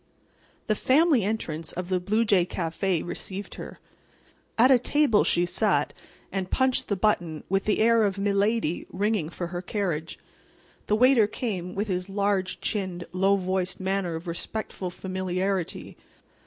The "Family Entrance" of the Blue Jay Café received her. At a table she sat, and punched the button with the air of milady ringing for her carriage. The waiter came with his large chinned, low voiced manner of respectful familiarity.